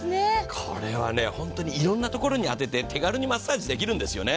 これは本当にいろんなところに当てて手軽にマッサージできるんですよね。